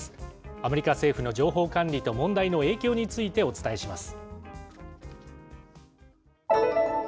アメリカ政府の情報管理と問題の影響について、お伝えします。